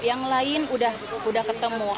yang lain udah ketemu